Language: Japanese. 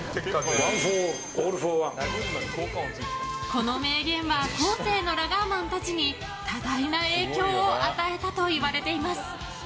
この名言は後世のラガーマンたちに多大な影響を与えたといわれています。